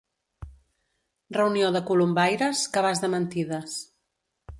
Reunió de colombaires, cabàs de mentides.